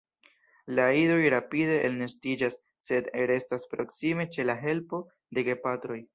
La idoj rapide elnestiĝas sed restas proksime ĉe la helpo de gepatroj.